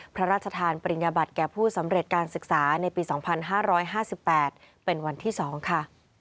พระราชทานปริญญาบัติแก่ผู้สำเร็จการศึกษาในปี๒๕๕๘เป็นวันที่๒ค่ะ